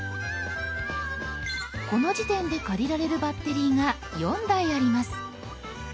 この時点で借りられるバッテリーが４台あります。